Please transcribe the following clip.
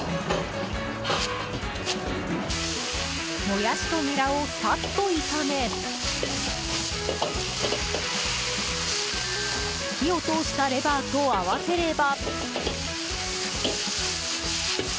モヤシとニラをさっと炒め火を通したレバーと合わせれば。